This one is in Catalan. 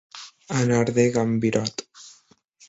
Anar de gambirot.